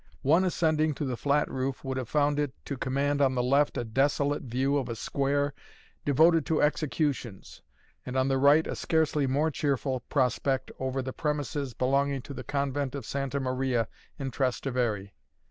One ascending to the flat roof would have found it to command on the left a desolate view of a square devoted to executions, and on the right a scarcely more cheerful prospect over the premises belonging to the convent of Santa Maria in Trastevere.